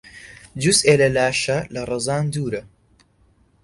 جوزئێ لە لاشە لە ڕزان دوورە